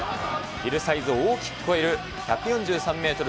昼サイズを大きく超える１４３メートル